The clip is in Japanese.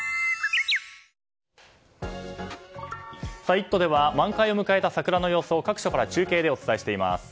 「イット！」では満開を迎えた桜の様子を各所から中継でお伝えします。